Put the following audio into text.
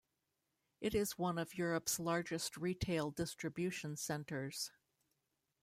It is one of Europe's largest retail distribution centres.